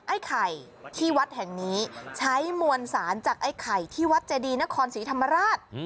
ไอ้ไข่ที่วัดแห่งนี้ใช้มวลสารจากไอ้ไข่ที่วัดเจดีนครศรีธรรมราช